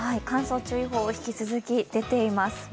乾燥注意報、引き続き出ています